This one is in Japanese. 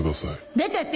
出てって！